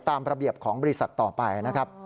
ตามระเบียบของบริษัทต่อไปนะครับ